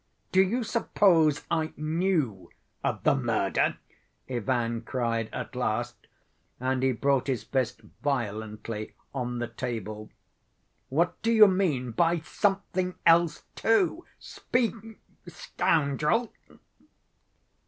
"Do you suppose I knew of the murder?" Ivan cried at last, and he brought his fist violently on the table. "What do you mean by 'something else, too'? Speak, scoundrel!"